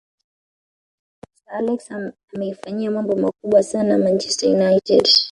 sir alex ameifanyia mambo makubwa sana manchester united